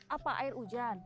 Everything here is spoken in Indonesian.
apa air hujan